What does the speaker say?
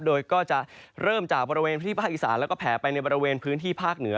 โดยก็จะเริ่มจากบริเวณพื้นที่ภาคอีสานแล้วก็แผลไปในบริเวณพื้นที่ภาคเหนือ